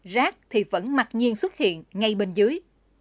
rác thì vẫn mặc nhiên xuất hiện ngay bên dưới